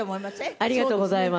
ありがとうございます。